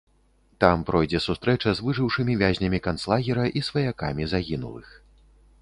Там пройдзе сустрэча з выжыўшымі вязнямі канцлагера і сваякамі загінулых.